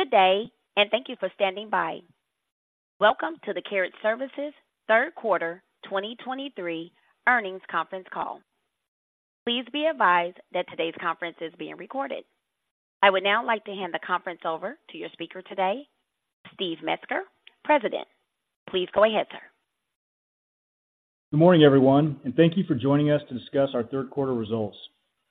Good day, and thank you for standing by. Welcome to the Carriage Services third quarter 2023 earnings conference call. Please be advised that today's conference is being recorded. I would now like to hand the conference over to your speaker today, Steve Metzger, President. Please go ahead, sir. Good morning, everyone, and thank you for joining us to discuss our third quarter results.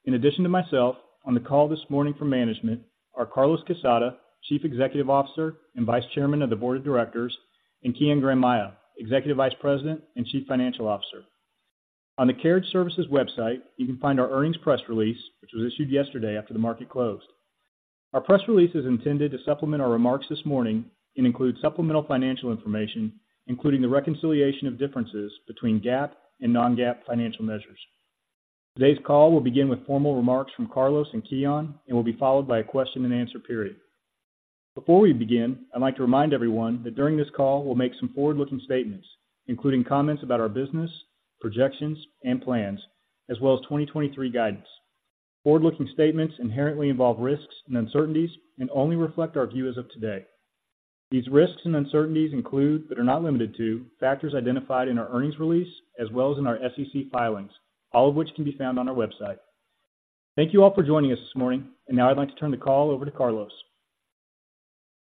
In addition to myself, on the call this morning from management are Carlos Quezada, Chief Executive Officer and Vice Chairman of the Board of Directors, and Kian Granmayeh, Executive Vice President and Chief Financial Officer. On the Carriage Services website, you can find our earnings press release, which was issued yesterday after the market closed. Our press release is intended to supplement our remarks this morning and includes supplemental financial information, including the reconciliation of differences between GAAP and non-GAAP financial measures. Today's call will begin with formal remarks from Carlos and Kian, and will be followed by a question and answer period. Before we begin, I'd like to remind everyone that during this call, we'll make some forward-looking statements, including comments about our business, projections, and plans, as well as 2023 guidance. Forward-looking statements inherently involve risks and uncertainties and only reflect our view as of today. These risks and uncertainties include, but are not limited to, factors identified in our earnings release, as well as in our SEC filings, all of which can be found on our website. Thank you all for joining us this morning, and now I'd like to turn the call over to Carlos.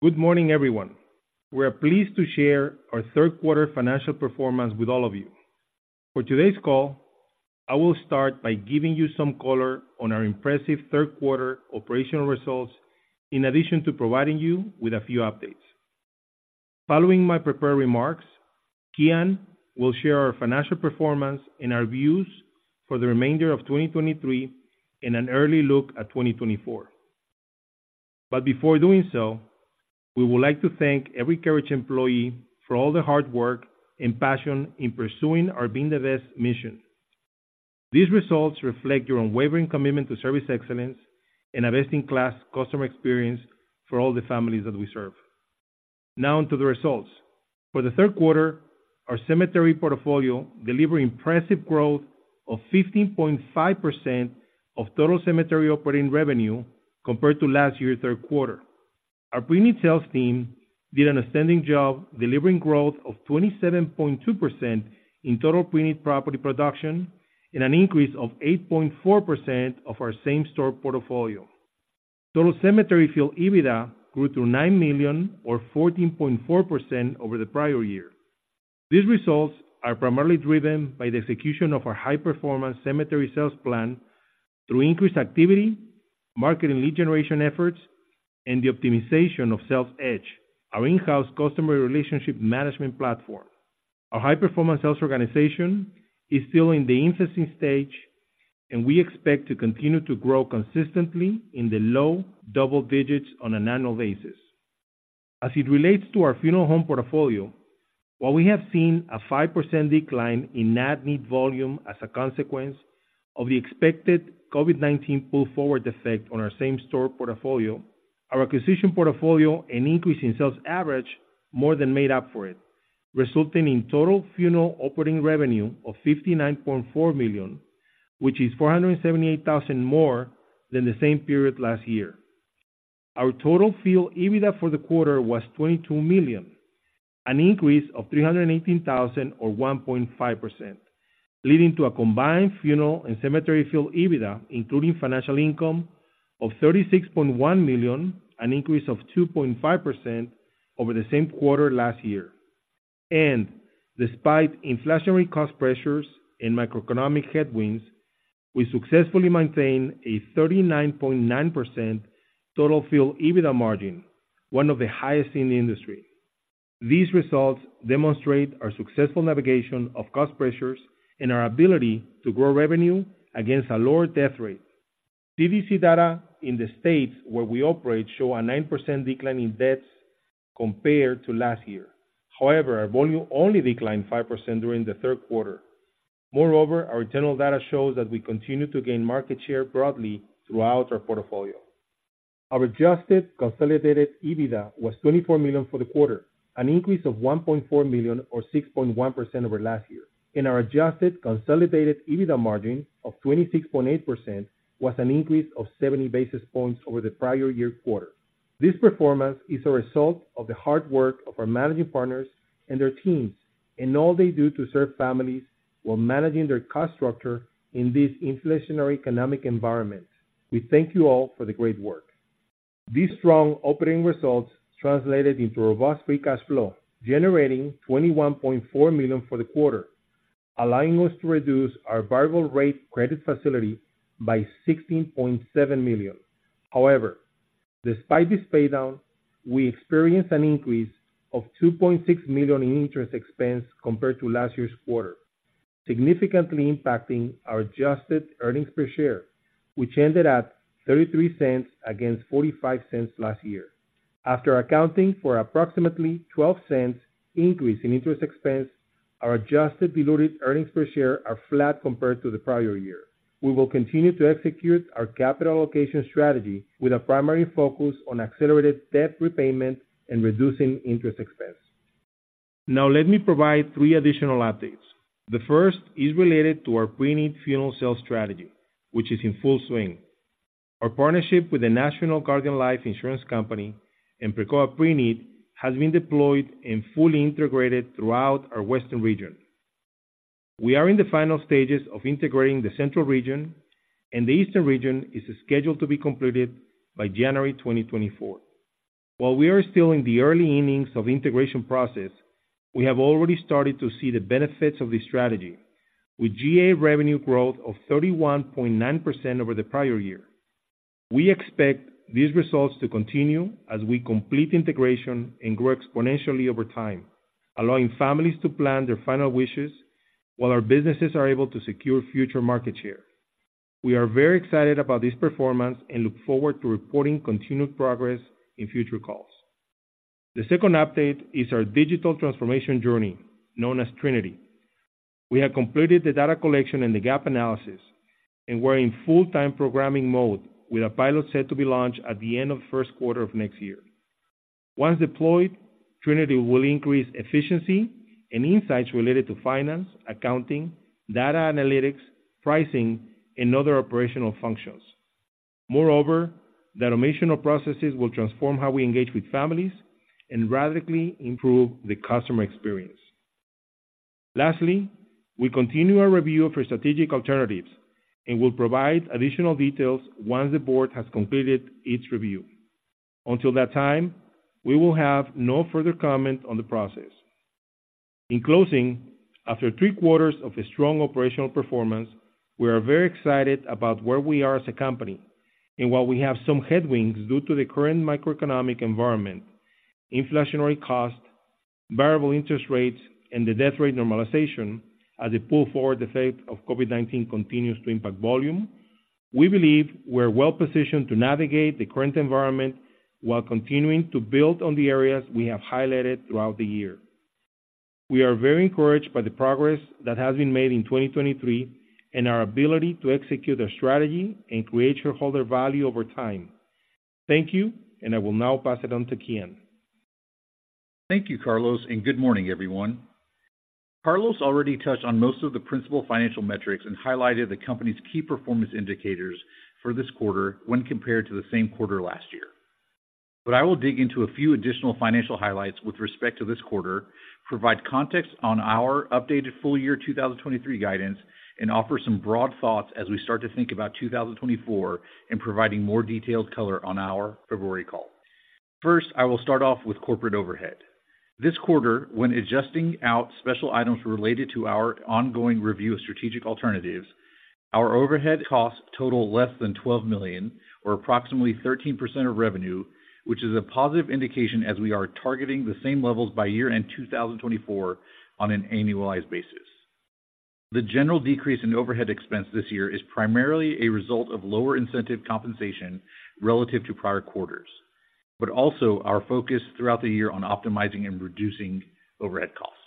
Good morning, everyone. We are pleased to share our third quarter financial performance with all of you. For today's call, I will start by giving you some color on our impressive third quarter operational results, in addition to providing you with a few updates. Following my prepared remarks, Kian will share our financial performance and our views for the remainder of 2023 and an early look at 2024. But before doing so, we would like to thank every Carriage employee for all the hard work and passion in pursuing our Being The Best mission. These results reflect your unwavering commitment to service excellence and a best-in-class customer experience for all the families that we serve. Now on to the results. For the third quarter, our cemetery portfolio delivered impressive growth of 15.5% of total cemetery operating revenue compared to last year's third quarter. Our preneed sales team did an outstanding job, delivering growth of 27.2% in total preneed property production and an increase of 8.4% of our same store portfolio. Total cemetery Field EBITDA grew to $9 million or 14.4% over the prior year. These results are primarily driven by the execution of our high-performance cemetery sales plan through increased activity, marketing lead generation efforts, and the optimization of SalesEdge, our in-house customer relationship management platform. Our high-performance sales organization is still in the investing stage, and we expect to continue to grow consistently in the low double digits on an annual basis. As it relates to our funeral home portfolio, while we have seen a 5% decline in at-need volume as a consequence of the expected COVID-19 pull-forward effect on our same-store portfolio, our acquisition portfolio and increase in Sales Average more than made up for it, resulting in total funeral operating revenue of $59.4 million, which is $478,000 more than the same period last year. Our total Field EBITDA for the quarter was $22 million, an increase of $318,000 or 1.5%, leading to a combined funeral and cemetery Field EBITDA, including financial income of $36.1 million, an increase of 2.5% over the same quarter last year. Despite inflationary cost pressures and macroeconomic headwinds, we successfully maintained a 39.9% total Field EBITDA margin, one of the highest in the industry. These results demonstrate our successful navigation of cost pressures and our ability to grow revenue against a lower death rate. CDC data in the states where we operate show a 9% decline in deaths compared to last year. However, our volume only declined 5% during the third quarter. Moreover, our internal data shows that we continue to gain market share broadly throughout our portfolio. Our adjusted consolidated EBITDA was $24 million for the quarter, an increase of $1.4 million, or 6.1% over last year, and our Adjusted Consolidated EBITDA margin of 26.8% was an increase of seventy basis points over the prior year quarter. This performance is a result of the hard work of our managing partners and their teams and all they do to serve families while managing their cost structure in this inflationary economic environment. We thank you all for the great work. These strong operating results translated into robust free cash flow, generating $21.4 million for the quarter, allowing us to reduce our variable rate credit facility by $16.7 million. However, despite this paydown, we experienced an increase of $2.6 million in interest expense compared to last year's quarter, significantly impacting our adjusted earnings per share, which ended at $0.33 against $0.45 last year. After accounting for approximately $0.12 increase in interest expense, our adjusted diluted earnings per share are flat compared to the prior year. We will continue to execute our capital allocation strategy with a primary focus on accelerated debt repayment and reducing interest expense. Now let me provide three additional updates. The first is related to our preneed funeral sales strategy, which is in full swing. Our partnership with the National Guardian Life Insurance Company and Precoa Preneed has been deployed and fully integrated throughout our western region. We are in the final stages of integrating the central region, and the eastern region is scheduled to be completed by January 2024. While we are still in the early innings of integration process, we have already started to see the benefits of this strategy, with GA revenue growth of 31.9% over the prior year. We expect these results to continue as we complete integration and grow exponentially over time, allowing families to plan their final wishes, while our businesses are able to secure future market share. We are very excited about this performance and look forward to reporting continued progress in future calls. The second update is our digital transformation journey, known as Trinity. We have completed the data collection and the gap analysis, and we're in full-time programming mode, with a pilot set to be launched at the end of the first quarter of next year. Once deployed, Trinity will increase efficiency and insights related to finance, accounting, data analytics, pricing, and other operational functions. Moreover, the automation of processes will transform how we engage with families and radically improve the customer experience. Lastly, we continue our review for strategic alternatives and will provide additional details once the board has completed its review. Until that time, we will have no further comment on the process. In closing, after three quarters of a strong operational performance, we are very excited about where we are as a company. And while we have some headwinds due to the current microeconomic environment, inflationary costs, variable interest rates, and the death rate normalization as the pull-forward effect of COVID-19 continues to impact volume, we believe we're well-positioned to navigate the current environment while continuing to build on the areas we have highlighted throughout the year. We are very encouraged by the progress that has been made in 2023 and our ability to execute our strategy and create shareholder value over time. Thank you, and I will now pass it on to Kian. Thank you, Carlos, and good morning, everyone. Carlos already touched on most of the principal financial metrics and highlighted the company's key performance indicators for this quarter when compared to the same quarter last year. I will dig into a few additional financial highlights with respect to this quarter, provide context on our updated full year 2023 guidance, and offer some broad thoughts as we start to think about 2024, and providing more detailed color on our February call. First, I will start off with corporate overhead. This quarter, when adjusting out special items related to our ongoing review of strategic alternatives, our overhead costs total less than $12 million or approximately 13% of revenue, which is a positive indication as we are targeting the same levels by year-end 2024 on an annualized basis. The general decrease in overhead expense this year is primarily a result of lower incentive compensation relative to prior quarters, but also our focus throughout the year on optimizing and reducing overhead costs.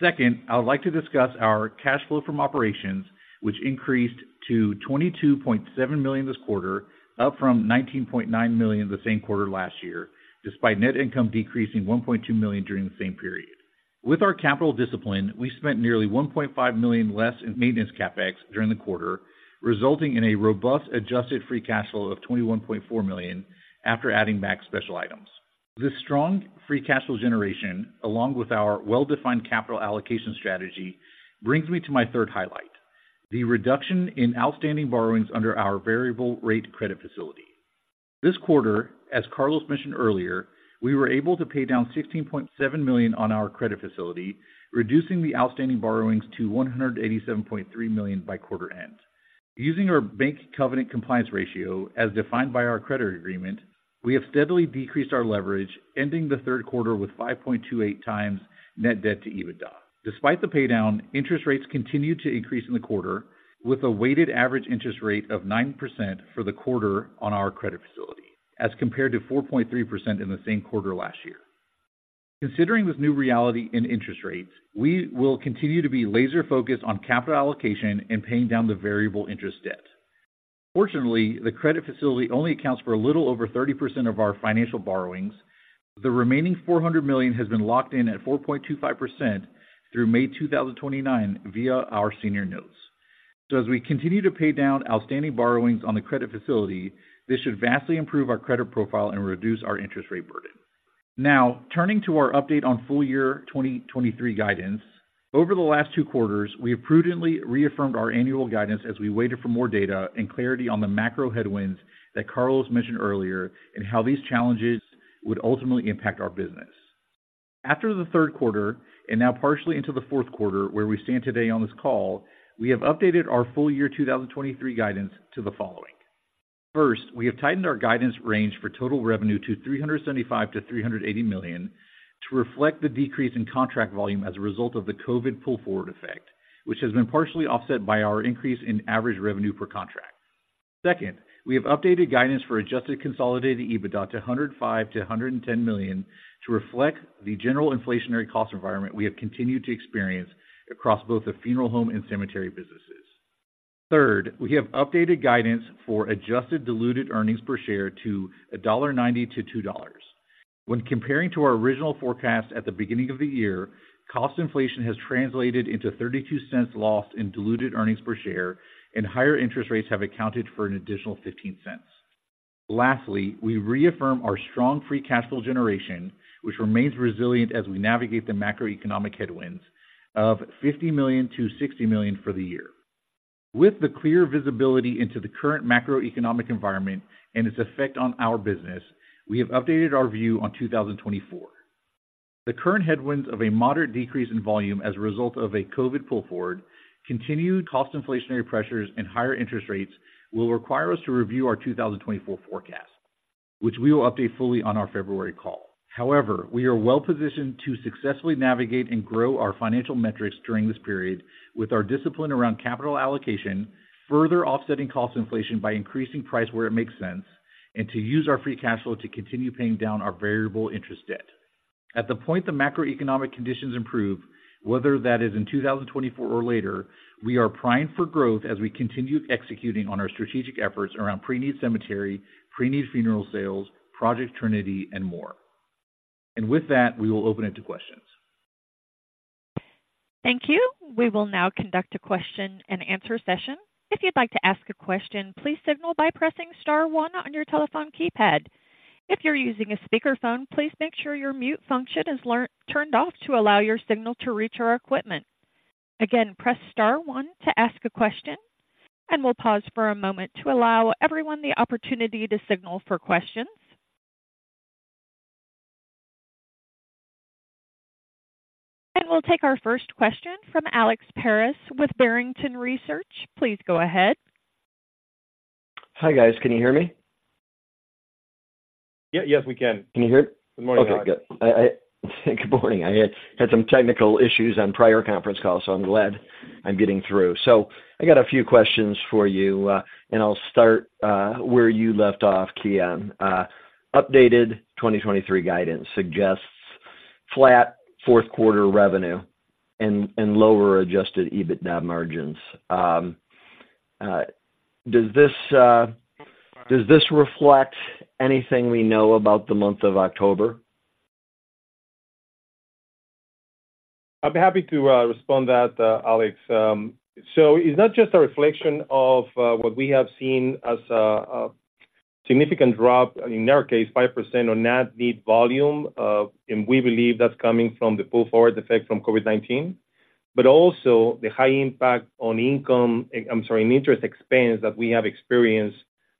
Second, I would like to discuss our cash flow from operations, which increased to $22.7 million this quarter, up from $19.9 million the same quarter last year, despite net income decreasing $1.2 million during the same period. With our capital discipline, we spent nearly $1.5 million less in Maintenance CapEx during the quarter, resulting in a robust Adjusted Free Cash Flow of $21.4 million after adding back special items. This strong free cash flow generation, along with our well-defined capital allocation strategy, brings me to my third highlight, the reduction in outstanding borrowings under our Variable Rate Credit Facility. This quarter, as Carlos mentioned earlier, we were able to pay down $16.7 million on our credit facility, reducing the outstanding borrowings to $187.3 million by quarter end. Using our bank covenant compliance ratio, as defined by our credit agreement, we have steadily decreased our leverage, ending the third quarter with 5.28 times net debt to EBITDA. Despite the pay down, interest rates continued to increase in the quarter, with a weighted average interest rate of 9% for the quarter on our credit facility, as compared to 4.3% in the same quarter last year. Considering this new reality in interest rates, we will continue to be laser-focused on capital allocation and paying down the variable interest debt. Fortunately, the credit facility only accounts for a little over 30% of our financial borrowings. The remaining $400 million has been locked in at 4.25% through May 2029 via our Senior Notes. So as we continue to pay down outstanding borrowings on the credit facility, this should vastly improve our credit profile and reduce our interest rate burden. Now, turning to our update on full year 2023 guidance. Over the last 2 quarters, we have prudently reaffirmed our annual guidance as we waited for more data and clarity on the macro headwinds that Carlos mentioned earlier, and how these challenges would ultimately impact our business. After the third quarter, and now partially into the fourth quarter, where we stand today on this call, we have updated our full-year 2023 guidance to the following: First, we have tightened our guidance range for total revenue to $375 million-$380 million to reflect the decrease in contract volume as a result of the COVID pull-forward effect, which has been partially offset by our increase in average revenue per contract. Second, we have updated guidance for Adjusted Consolidated EBITDA to $105 million-$110 million to reflect the general inflationary cost environment we have continued to experience across both the funeral home and cemetery businesses.... Third, we have updated guidance for adjusted diluted earnings per share to $1.90-$2. When comparing to our original forecast at the beginning of the year, cost inflation has translated into $0.32 lost in diluted earnings per share, and higher interest rates have accounted for an additional $0.15. Lastly, we reaffirm our strong free cash flow generation, which remains resilient as we navigate the macroeconomic headwinds of $50 million-$60 million for the year. With the clear visibility into the current macroeconomic environment and its effect on our business, we have updated our view on 2024. The current headwinds of a moderate decrease in volume as a result of a COVID pull forward, continued cost inflationary pressures, and higher interest rates will require us to review our 2024 forecast, which we will update fully on our February call. However, we are well-positioned to successfully navigate and grow our financial metrics during this period with our discipline around capital allocation, further offsetting cost inflation by increasing price where it makes sense, and to use our free cash flow to continue paying down our variable interest debt. At the point the macroeconomic conditions improve, whether that is in 2024 or later, we are primed for growth as we continue executing on our strategic efforts around preneed cemetery, preneed funeral sales, Project Trinity, and more. And with that, we will open it to questions. Thank you. We will now conduct a question-and-answer session. If you'd like to ask a question, please signal by pressing star one on your telephone keypad. If you're using a speakerphone, please make sure your mute function is turned off to allow your signal to reach our equipment. Again, press star one to ask a question, and we'll pause for a moment to allow everyone the opportunity to signal for questions. We'll take our first question from Alex Paris with Barrington Research. Please go ahead. Hi, guys. Can you hear me? Yeah. Yes, we can. Can you hear? Good morning, Alex. Good morning. I had some technical issues on prior conference calls, so I'm glad I'm getting through. So I got a few questions for you, and I'll start where you left off, Kian. Updated 2023 guidance suggests flat fourth quarter revenue and lower adjusted EBITDA margins. Does this reflect anything we know about the month of October? I'd be happy to respond that, Alex. So it's not just a reflection of what we have seen as a significant drop, in our case, 5% on preneed volume. And we believe that's coming from the pull-forward effect from COVID-19, but also the high impact on income, I'm sorry, in interest expense that we have experienced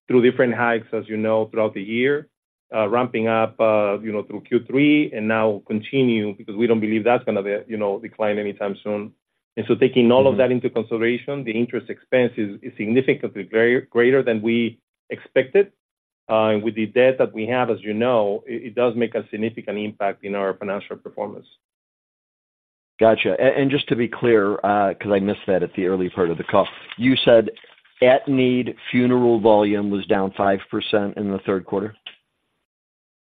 through different hikes, as you know, throughout the year, ramping up, you know, through Q3, and now continue because we don't believe that's gonna, you know, decline anytime soon. And so taking all of that into consideration, the interest expense is significantly very greater than we expected. And with the debt that we have, as you know, it does make a significant impact in our financial performance. Gotcha. And just to be clear, 'cause I missed that at the early part of the call. You said at-need funeral volume was down 5% in the third quarter?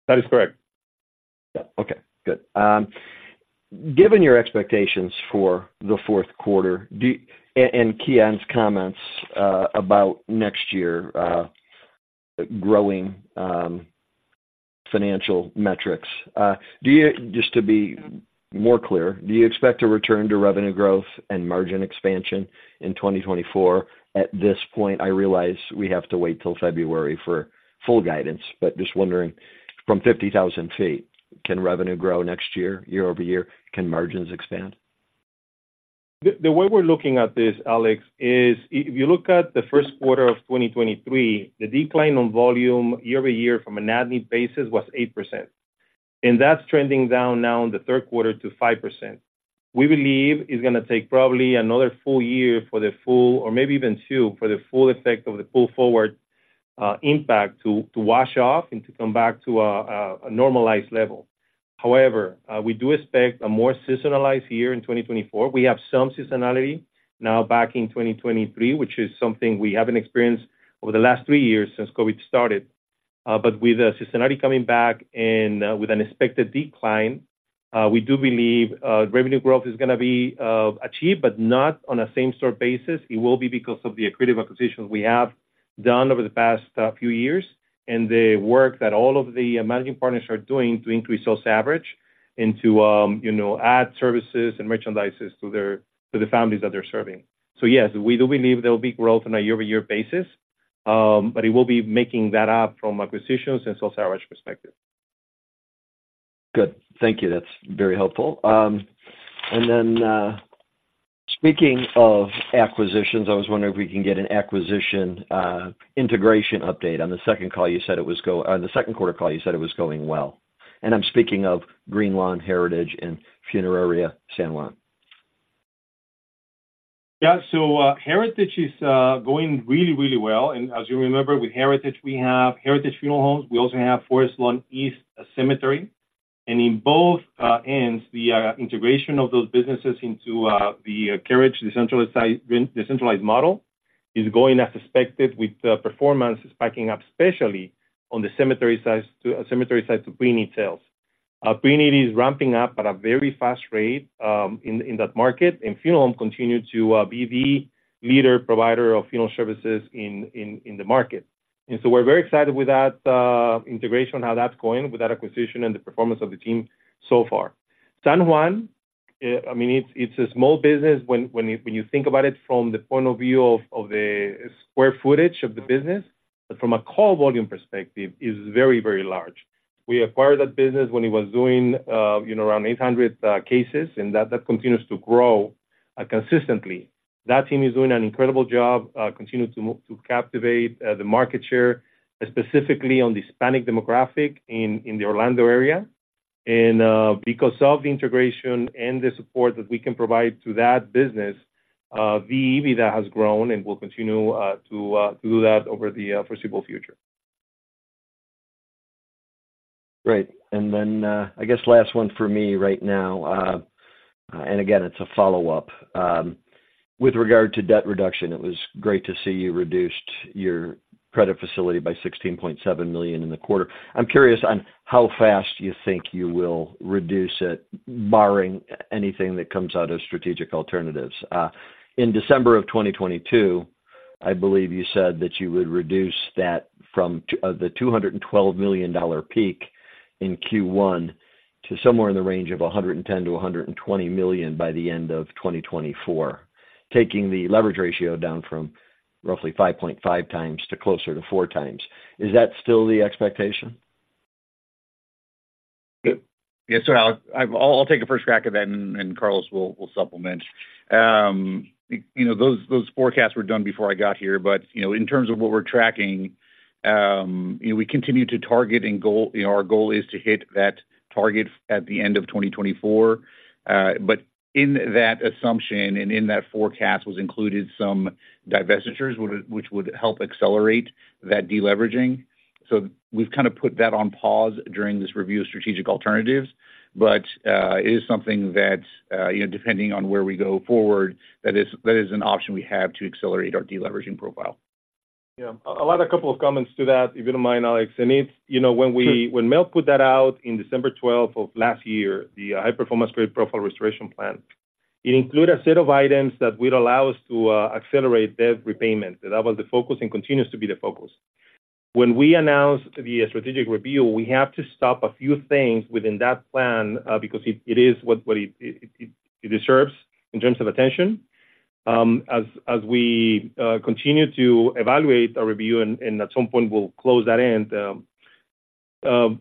That is correct. Yeah. Okay, good. Given your expectations for the fourth quarter, and Kian's comments about next year growing financial metrics, do you, just to be more clear, do you expect to return to revenue growth and margin expansion in 2024? At this point, I realize we have to wait till February for full guidance, but just wondering, from 50,000 feet, can revenue grow next year, year-over-year? Can margins expand? The way we're looking at this, Alex, is if you look at the first quarter of 2023, the decline on volume year-over-year from an at-need basis was 8%, and that's trending down now in the third quarter to 5%. We believe it's gonna take probably another full year for the full, or maybe even two, for the full effect of the pull-forward impact to wash off and to come back to a normalized level. However, we do expect a more seasonalized year in 2024. We have some seasonality now back in 2023, which is something we haven't experienced over the last 3 years since COVID started. But with the seasonality coming back and with an expected decline, we do believe revenue growth is gonna be achieved, but not on a same-store basis. It will be because of the accretive acquisitions we have done over the past few years, and the work that all of the managing partners are doing to increase Sales Average and to, you know, add services and merchandises to their-- to the families that they're serving. So yes, we do believe there will be growth on a year-over-year basis, but it will be making that up from acquisitions and Sales Average perspective. Good. Thank you. That's very helpful. And then, speaking of acquisitions, I was wondering if we can get an acquisition integration update. On the second call, you said it was. On the second quarter call, you said it was going well, and I'm speaking of Greenlawn, Heritage and Funeraria San Juan. Yeah. So, Heritage is going really, really well. And as you remember, with Heritage, we have Heritage Funeral Homes. We also have Forest Lawn East Cemetery, and in both ends, the integration of those businesses into the Carriage, the centralized site, the centralized model, is going as expected, with the performance spiking up, especially on the cemetery sides preneed sales. Greenlawn is ramping up at a very fast rate in that market, and Funeral Home continued to be the leader provider of funeral services in the market. And so we're very excited with that integration, how that's going with that acquisition and the performance of the team so far. San Juan, I mean, it's a small business when you think about it from the point of view of the square footage of the business, but from a call volume perspective, is very, very large. We acquired that business when it was doing, you know, around 800 cases, and that continues to grow consistently. That team is doing an incredible job continuing to captivate the market share, specifically on the Hispanic demographic in the Orlando area. And because of the integration and the support that we can provide to that business, the EBITDA has grown and will continue to do that over the foreseeable future. Great. And then, I guess last one for me right now, and again, it's a follow-up. With regard to debt reduction, it was great to see you reduced your credit facility by $16.7 million in the quarter. I'm curious on how fast you think you will reduce it, barring anything that comes out of strategic alternatives. In December 2022, I believe you said that you would reduce that from the $212 million peak in Q1 to somewhere in the range of $110 million-$120 million by the end of 2024, taking the leverage ratio down from roughly 5.5 times to closer to 4 times. Is that still the expectation? Yeah, so Alex, I've, I'll take a first crack at that, and Carlos will supplement. You know, those forecasts were done before I got here, but, you know, in terms of what we're tracking, you know, we continue to target and goal. You know, our goal is to hit that target at the end of 2024. But in that assumption and in that forecast, was included some divestitures, which would help accelerate that deleveraging. So we've kind of put that on pause during this review of strategic alternatives, but, it is something that, you know, depending on where we go forward, that is an option we have to accelerate our deleveraging profile. Yeah. I'll add a couple of comments to that, if you don't mind, Alex. And it's, you know, when we- Sure. When Mel put that out in December twelfth of last year, the high-performance grade profile restoration plan, it included a set of items that would allow us to accelerate debt repayment. That was the focus and continues to be the focus. When we announced the strategic review, we had to stop a few things within that plan, because it is what it deserves in terms of attention. As we continue to evaluate our review, and at some point, we'll close that in,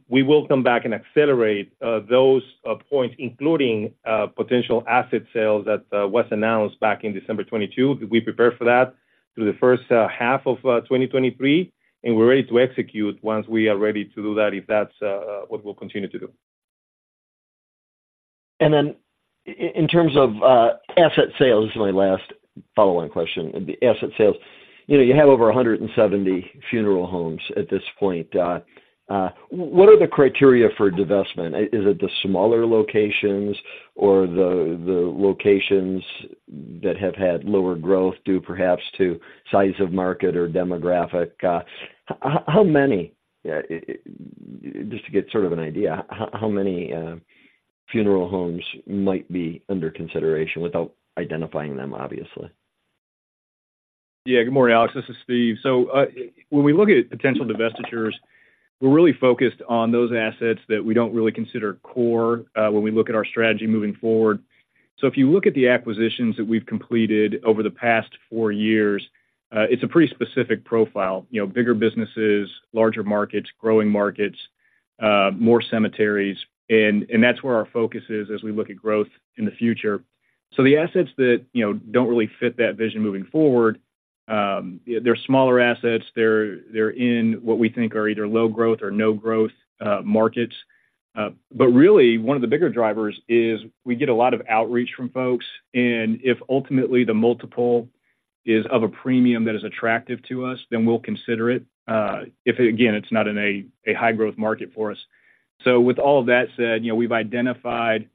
we will come back and accelerate those points, including potential asset sales that was announced back in December 2022. We prepared for that through the first half of 2023, and we're ready to execute once we are ready to do that, if that's what we'll continue to do. Then in terms of asset sales, this is my last follow-on question. The asset sales, you know, you have over 170 funeral homes at this point. What are the criteria for divestment? Is it the smaller locations or the locations that have had lower growth, due perhaps to size of market or demographic? How many, just to get sort of an idea, how many funeral homes might be under consideration, without identifying them, obviously? Yeah. Good morning, Alex. This is Steve. So, when we look at potential divestitures, we're really focused on those assets that we don't really consider core, when we look at our strategy moving forward. So if you look at the acquisitions that we've completed over the past four years, it's a pretty specific profile. You know, bigger businesses, larger markets, growing markets, more cemeteries, and that's where our focus is as we look at growth in the future. So the assets that, you know, don't really fit that vision moving forward, they're smaller assets. They're in what we think are either low growth or no growth markets. But really, one of the bigger drivers is we get a lot of outreach from folks, and if ultimately the multiple is of a premium that is attractive to us, then we'll consider it, if, again, it's not in a high-growth market for us. So with all of that said, you know, we've identified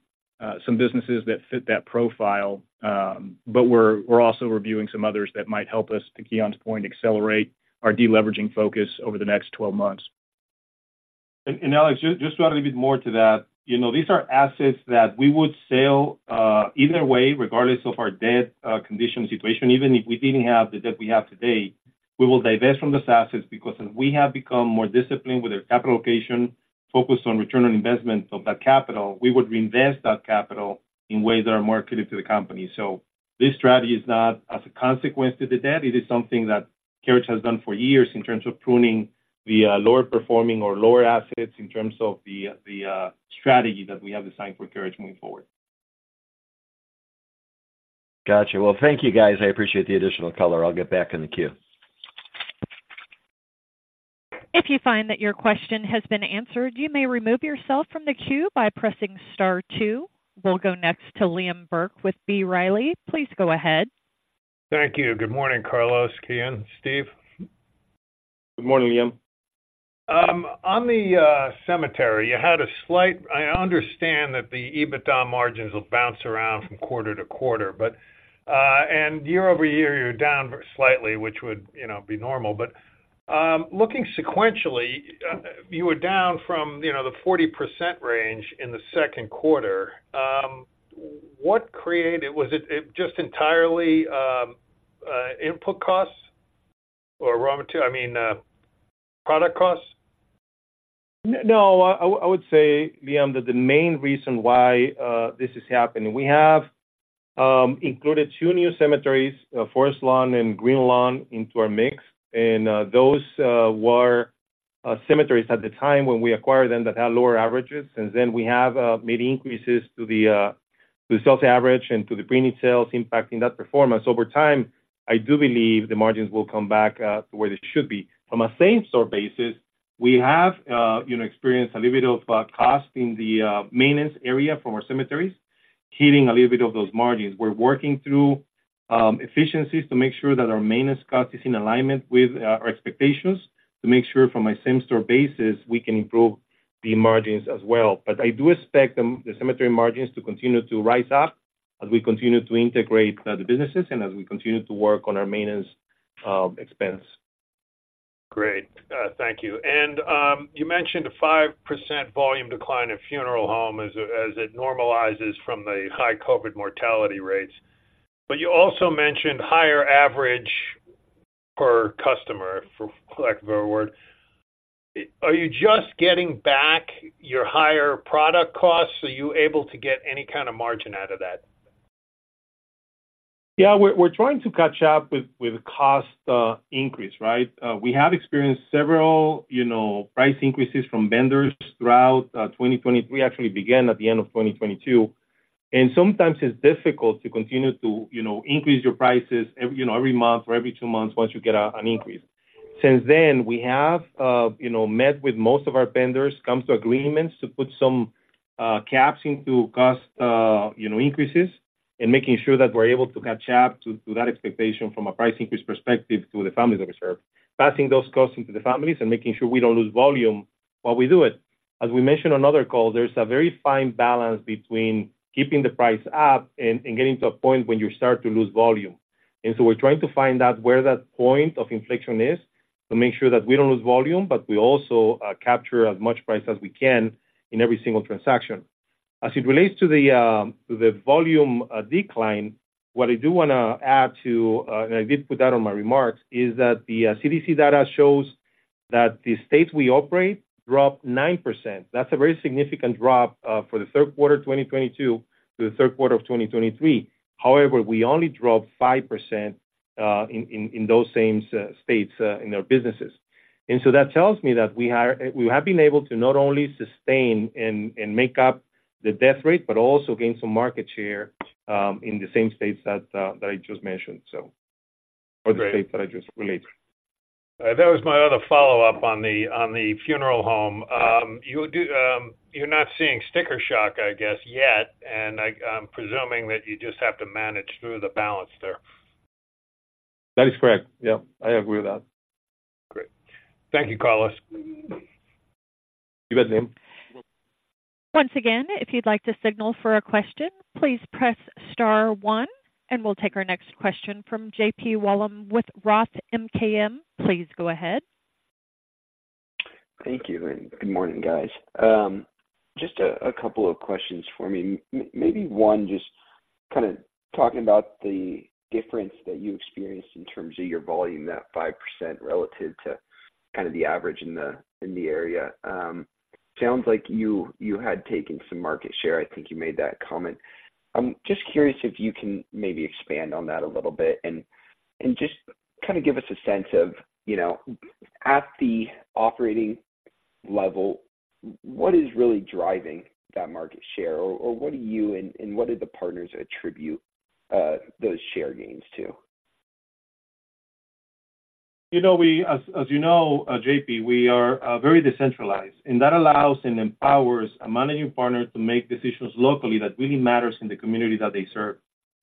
some businesses that fit that profile, but we're also reviewing some others that might help us, to Kian’s point, accelerate our deleveraging focus over the next 12 months. And Alex, just to add a bit more to that. You know, these are assets that we would sell either way, regardless of our debt condition situation. Even if we didn't have the debt we have today, we will divest from these assets because as we have become more disciplined with our capital allocation, focused on return on investment of that capital, we would reinvest that capital in ways that are more accretive to the company. So this strategy is not as a consequence to the debt. It is something that Carriage has done for years in terms of pruning the lower-performing or lower assets in terms of the strategy that we have designed for Carriage moving forward. Gotcha. Well, thank you, guys. I appreciate the additional color. I'll get back in the queue. If you find that your question has been answered, you may remove yourself from the queue by pressing star two. We'll go next to Liam Burke with B. Riley. Please go ahead. Thank you. Good morning, Carlos, Kian, Steve. Good morning, Liam. On the cemetery, you had a slight... I understand that the EBITDA margins will bounce around from quarter to quarter, but and year-over-year, you're down slightly, which would, you know, be normal. But looking sequentially, you were down from, you know, the 40% range in the second quarter. What created, was it, it just entirely input costs or raw material, I mean, product costs? No, I would say, Liam, that the main reason why this is happening, we have included two new cemeteries, Forest Lawn and Greenlawn, into our mix, and those were cemeteries at the time when we acquired them that had lower averages. Since then, we have made increases to the Sales Average and to the preneed sales, impacting that performance. Over time, I do believe the margins will come back to where they should be. From a same-store basis, we have, you know, experienced a little bit of cost in the maintenance area from our cemeteries, hitting a little bit of those margins. We're working through efficiencies to make sure that our maintenance cost is in alignment with our expectations, to make sure from a same-store basis, we can improve the margins as well. But I do expect the cemetery margins to continue to rise up as we continue to integrate the businesses and as we continue to work on our maintenance expense. Great. Thank you. You mentioned a 5% volume decline in funeral home as it normalizes from the high COVID mortality rates, but you also mentioned higher average per customer, for lack of a better word. Are you just getting back your higher product costs? Are you able to get any kind of margin out of that? Yeah, we're trying to catch up with cost increase, right? We have experienced several, you know, price increases from vendors throughout 2023, actually began at the end of 2022. And sometimes it's difficult to continue to, you know, increase your prices every, you know, every month or every two months once you get an increase. Since then, we have, you know, met with most of our vendors, come to agreements to put some caps into cost, you know, increases, and making sure that we're able to catch up to that expectation from a price increase perspective to the families that we serve. Passing those costs into the families and making sure we don't lose volume while we do it. As we mentioned on another call, there's a very fine balance between keeping the price up and getting to a point when you start to lose volume. And so we're trying to find out where that point of inflection is, to make sure that we don't lose volume, but we also capture as much price as we can in every single transaction. As it relates to the volume decline, what I do wanna add to, and I did put that on my remarks, is that the CDC data shows that the states we operate dropped 9%. That's a very significant drop for the third quarter, 2022 to the third quarter of 2023. However, we only dropped 5% in those same states in our businesses. And so that tells me that we have been able to not only sustain and make up the death rate, but also gain some market share in the same states that I just mentioned, so- Great. Or the stats that I just released. That was my other follow-up on the funeral home. You're not seeing sticker shock, I guess, yet, and I'm presuming that you just have to manage through the balance there. That is correct. Yep, I agree with that. Great. Thank you, Carlos. You bet, Liam. Once again, if you'd like to signal for a question, please press star one, and we'll take our next question from J.P. Wollam with Roth MKM. Please go ahead. Thank you, and good morning, guys. Just a couple of questions for me. Maybe one just kind of talking about the difference that you experienced in terms of your volume, that 5% relative to kind of the average in the, in the area. Sounds like you, you had taken some market share. I think you made that comment. I'm just curious if you can maybe expand on that a little bit and, and just kind of give us a sense of, you know, at the operating level, what is really driving that market share? Or, or what do you and, and what do the partners attribute those share gains to? You know, we, as you know, JP, we are very decentralized, and that allows and empowers a managing partner to make decisions locally that really matters in the community that they serve.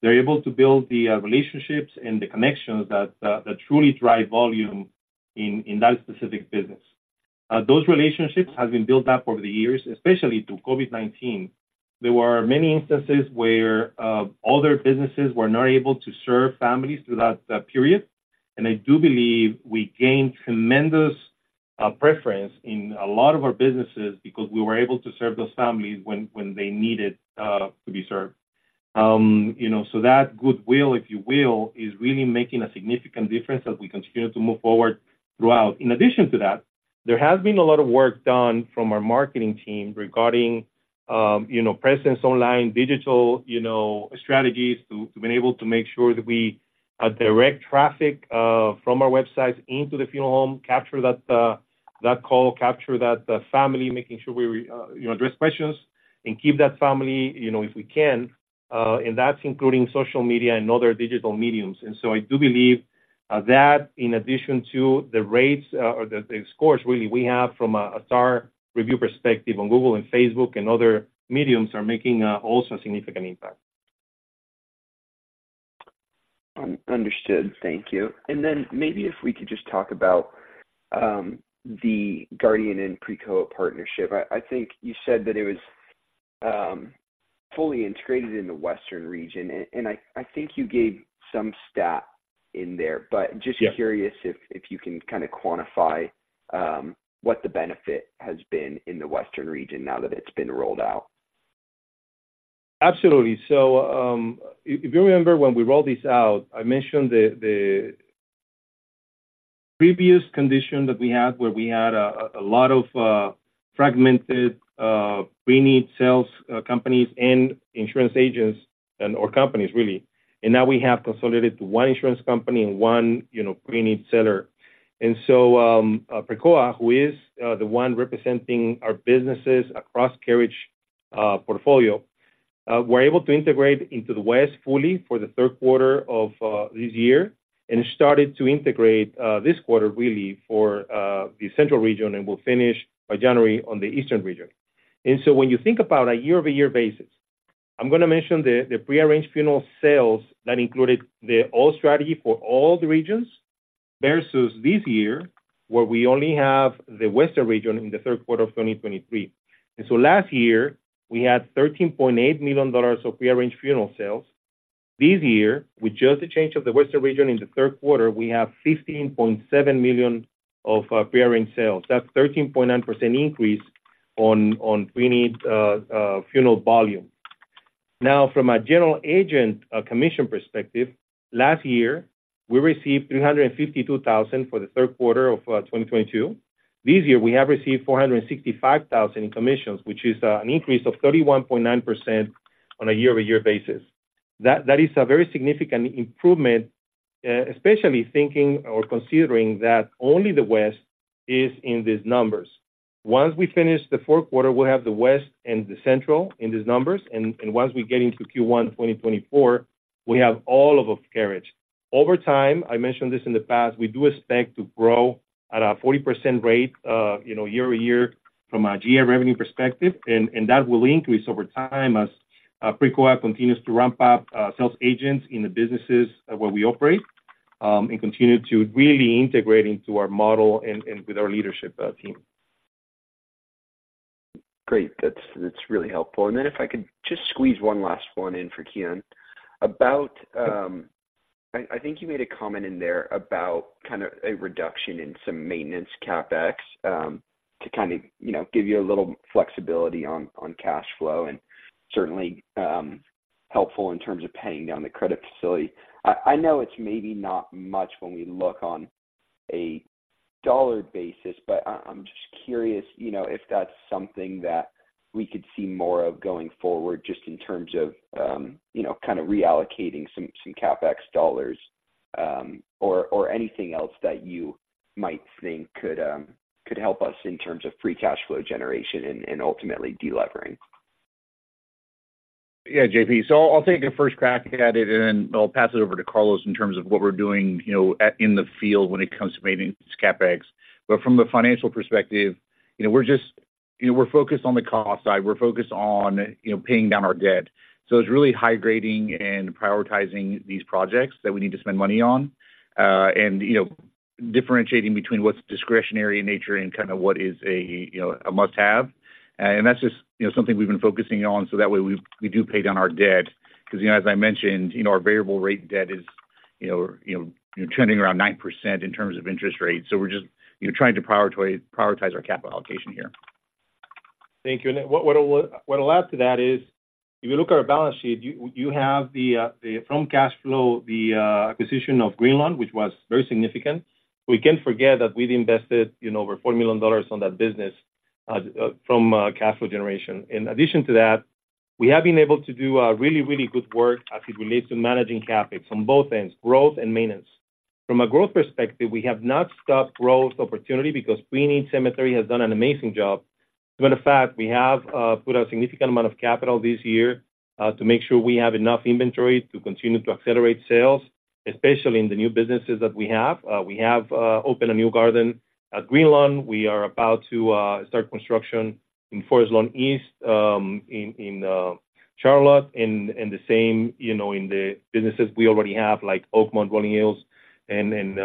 They're able to build the relationships and the connections that truly drive volume in that specific business. Those relationships have been built up over the years, especially through COVID-19. There were many instances where other businesses were not able to serve families through that period, and I do believe we gained tremendous preference in a lot of our businesses because we were able to serve those families when they needed to be served. You know, so that goodwill, if you will, is really making a significant difference as we continue to move forward throughout. In addition to that, there has been a lot of work done from our marketing team regarding, you know, presence online, digital, you know, strategies to be able to make sure that we direct traffic from our websites into the funeral home, capture that call, capture that family, making sure we, you know, address questions and keep that family, you know, if we can, and that's including social media and other digital mediums. And so I do believe that in addition to the rates, or the scores really, we have from a star review perspective on Google and Facebook and other mediums are making a also significant impact. Understood. Thank you. And then maybe if we could just talk about the Guardian and Precoa partnership. I think you said that it was fully integrated in the Western region, and I think you gave some in there, but just curious if you can kind of quantify what the benefit has been in the Western region now that it's been rolled out. Absolutely. So, if you remember when we rolled this out, I mentioned the previous condition that we had, where we had a lot of fragmented preneed sales companies and insurance agents and or companies really. And now we have consolidated to one insurance company and one, you know, preneed seller. And so, Precoa, who is the one representing our businesses across Carriage portfolio, we're able to integrate into the West fully for the third quarter of this year, and started to integrate this quarter, really for the central region and will finish by January on the eastern region. When you think about a year-over-year basis, I'm gonna mention the prearranged funeral sales that included the old strategy for all the regions, versus this year, where we only have the western region in the third quarter of 2023. Last year, we had $13.8 million of prearranged funeral sales. This year, with just the change of the western region in the third quarter, we have $15.7 million of prearranged sales. That's 13.9% increase on preneed funeral volume. Now, from a general agent commission perspective, last year, we received $352,000 for the third quarter of 2022. This year, we have received $465,000 in commissions, which is an increase of 31.9% on a year-over-year basis. That, that is a very significant improvement, especially thinking or considering that only the West is in these numbers. Once we finish the fourth quarter, we'll have the West and the Central in these numbers, and, and once we get into Q1, 2024, we have all of Carriage. Over time, I mentioned this in the past, we do expect to grow at a 40% rate, you know, year-over-year from a GA revenue perspective, and, and that will increase over time as Precoa continues to ramp up sales agents in the businesses where we operate, and continue to really integrate into our model and, and with our leadership team. Great. That's really helpful. And then if I could just squeeze one last one in for Kian. About, I think you made a comment in there about kind of a reduction in some maintenance CapEx, to kind of, you know, give you a little flexibility on cash flow, and certainly helpful in terms of paying down the credit facility. I know it's maybe not much when we look on a dollar basis, but I'm just curious, you know, if that's something that we could see more of going forward, just in terms of, you know, kind of reallocating some CapEx dollars, or anything else that you might think could help us in terms of free cash flow generation and ultimately, delevering. Yeah, JP, so I'll take a first crack at it, and then I'll pass it over to Carlos in terms of what we're doing, you know, in the field when it comes to maintenance CapEx. But from a financial perspective, you know, we're just... You know, we're focused on the cost side, we're focused on, you know, paying down our debt. So it's really high grading and prioritizing these projects that we need to spend money on, and, you know, differentiating between what's discretionary in nature and kind of what is a, you know, a must-have. And that's just, you know, something we've been focusing on, so that way, we do pay down our debt. 'Cause, you know, as I mentioned, you know, our variable rate debt is, you know, trending around 9% in terms of interest rates. We're just, you know, trying to prioritize our capital allocation here. Thank you. Then what I'll add to that is, if you look at our balance sheet, you have the from cash flow, the acquisition of Greenlawn, which was very significant. We can't forget that we've invested, you know, over $4 million on that business from cash flow generation. In addition to that, we have been able to do really, really good work as it relates to managing CapEx from both ends, growth and maintenance. From a growth perspective, we have not stopped growth opportunity because preneed cemetery has done an amazing job. Matter of fact, we have put a significant amount of capital this year to make sure we have enough inventory to continue to accelerate sales, especially in the new businesses that we have. We have opened a new garden at Greenlawn. We are about to start construction in Forest Lawn East, in Charlotte, and the same, you know, in the businesses we already have, like Oakmont Rolling Hills and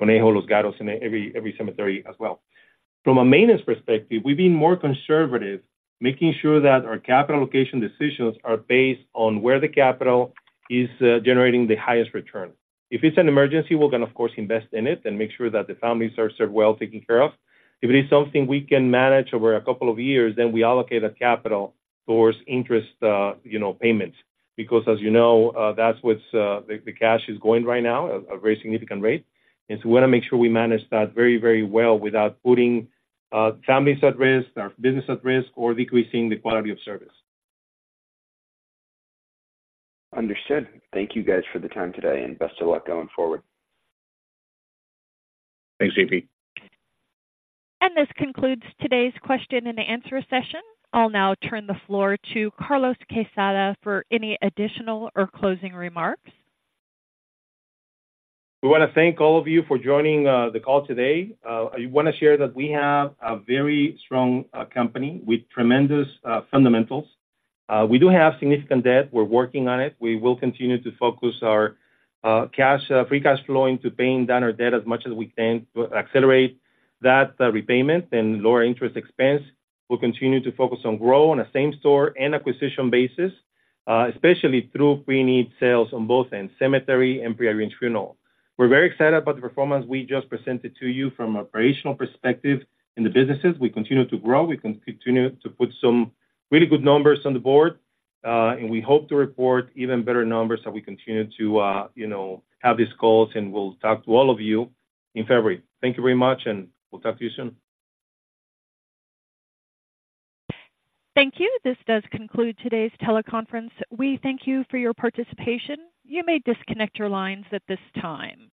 Conejo Los Gatos, and every cemetery as well. From a maintenance perspective, we've been more conservative, making sure that our capital allocation decisions are based on where the capital is generating the highest return. If it's an emergency, we're gonna, of course, invest in it and make sure that the families are served well, taken care of. If it is something we can manage over a couple of years, then we allocate that capital towards interest, you know, payments. Because as you know, that's what's the cash is going right now, a very significant rate. And so we wanna make sure we manage that very, very well without putting families at risk, our business at risk, or decreasing the quality of service. Understood. Thank you, guys, for the time today, and best of luck going forward. Thanks, JP. This concludes today's question and answer session. I'll now turn the floor to Carlos Quezada for any additional or closing remarks. We wanna thank all of you for joining the call today. I wanna share that we have a very strong company with tremendous fundamentals. We do have significant debt. We're working on it. We will continue to focus our cash Free Cash Flow into paying down our debt as much as we can, to accelerate that repayment and lower interest expense. We'll continue to focus on growth on a Same Store and acquisition basis, especially through preneed sales on both ends, cemetery and prearranged funeral. We're very excited about the performance we just presented to you from an operational perspective in the businesses. We continue to grow, we continue to put some really good numbers on the board, and we hope to report even better numbers as we continue to, you know, have these calls, and we'll talk to all of you in February. Thank you very much, and we'll talk to you soon. Thank you. This does conclude today's teleconference. We thank you for your participation. You may disconnect your lines at this time.